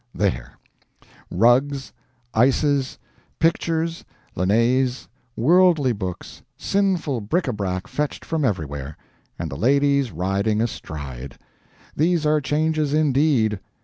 There: rugs, ices, pictures, lanais, worldly books, sinful bric a brac fetched from everywhere. And the ladies riding astride. These are changes, indeed.